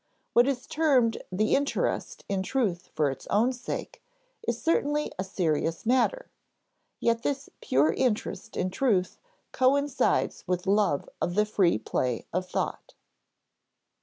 What is termed the interest in truth for its own sake is certainly a serious matter, yet this pure interest in truth coincides with love of the free play of thought.